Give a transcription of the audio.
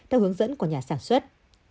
theo hướng dẫn của nhà sản xuất